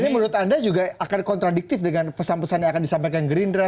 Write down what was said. dan ini menurut anda juga akan kontradiktif dengan pesan pesan yang akan disampaikan gerindra